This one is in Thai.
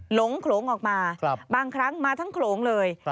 หลงโขลงออกมาบางครั้งมาทั้งโขลงเลย